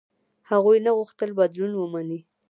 هغوی نه غوښتل بدلون ومني.